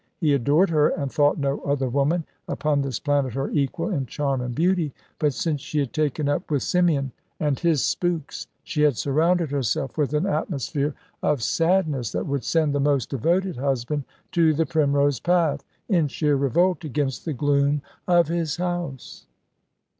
He adored her, and thought no other woman upon this planet her equal in charm and beauty; but since she had taken up with Symeon and his spooks, she had surrounded herself with an atmosphere of sadness that would send the most devoted husband to the primrose path, in sheer revolt against the gloom of his home.